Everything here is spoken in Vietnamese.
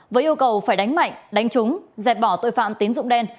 với yêu cầu phải đánh mạnh đánh trúng dẹp bỏ tội phạm tín dụng đen